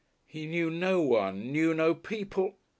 He knew no one, knew no people